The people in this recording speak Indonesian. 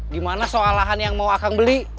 gimana soal lahan yang mau akang beli